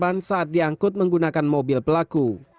korban saat diangkut menggunakan mobil pelaku